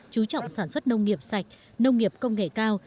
chú trọng sản xuất nông nghiệp sạch nông nghiệp công nghệ cao